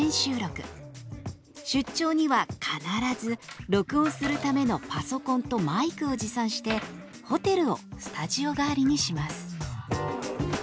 出張には必ず録音するためのパソコンとマイクを持参してホテルをスタジオ代わりにします。